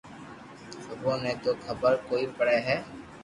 سبو ني تو خبر ڪوئي پڙي ھي